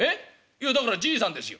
いやだからじいさんですよ」。